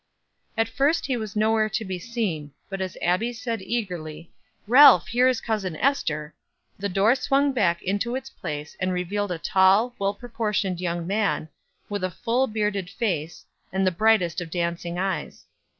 At first he was nowhere to be seen; but as Abbie said eagerly: "Ralph, here is Cousin Ester!" the door swung back into its place, and revealed a tall, well proportioned young man, with a full bearded face, and the brightest of dancing eyes.